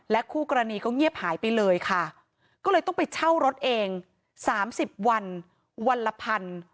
คู่กรณีก็เงียบหายไปเลยค่ะก็เลยต้องไปเช่ารถเองสามสิบวันวันละพัน